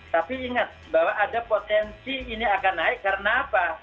tapi ingat bahwa ada potensi ini akan naik karena apa